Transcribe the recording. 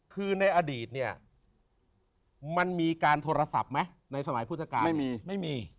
คือในอดีตเนี่ยมันมีการโทรศัพท์ไหมในสมัยพุทธกาลไม่มีไม่มี